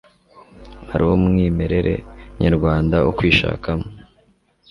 ari umwimerere nyarwanda wo kwishakamo